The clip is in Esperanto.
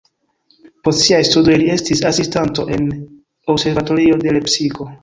Post siaj studoj li estis asistanto en observatorio de Lepsiko.